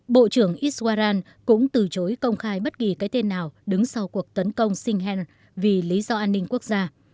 bộ trưởng iswaran cũng từ chối công khai bất kỳ cái tên nào đứng sau cuộc tấn công sinh hèn vì lý do an ninh quốc gia